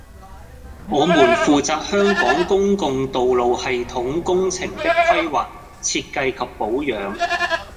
我們負責香港公共道路系統工程的規劃、設計及保養